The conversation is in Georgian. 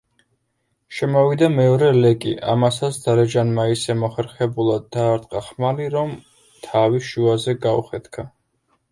შემოვიდა მეორე ლეკი, ამასაც დარეჯანმა ისე მოხერხებულად დაარტყა ხმალი, რომ თავი შუაზე გაუხეთქა.